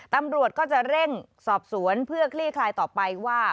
ตำรวจก็จะเร่งสอบสวนเพื่อคลี่คลายต่อไปว่า